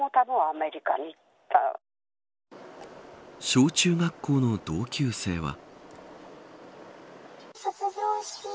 小中学校の同級生は。